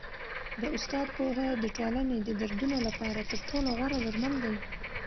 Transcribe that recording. د استاد پوهه د ټولني د دردونو لپاره تر ټولو غوره درمل دی.